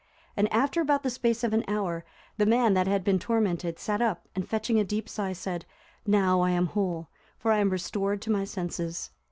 And after about the space of an hour the man that had been tormented sat up, and fetching a deep sigh, said, "Now I am whole, for I am restored to my senses."